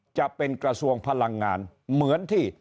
จะเป็นกระทรวงพลังงานเหมือนที่